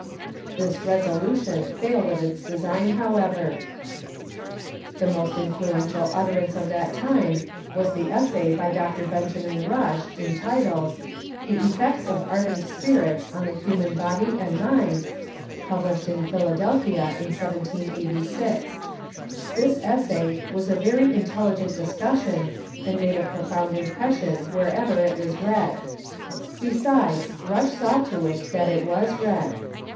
This resolution failed of its design, however. The most in fluential utterance of that time was the essay by Dr. Benjamin Rush entitled "The Effects of Ardent Spirits on the Human Body and Mind," published in Philadelphia in 1786. This essay was a very intelligent discussion, and made a profound impression wherever it was read. Besides, Rush saw to it that it was read.